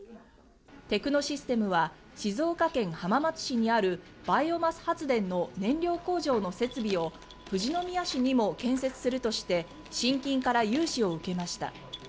テクノシステムは静岡県浜松市にあるバイオマス発電の燃料工場の設備を富士宮市にも建設するとして信金から融資を受けました。